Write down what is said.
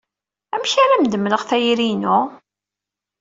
Amek ara am-d-mleɣ tayri-inu?